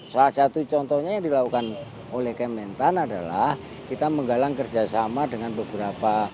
salah satu contohnya yang dilakukan oleh kementan adalah kita menggalang kerjasama dengan beberapa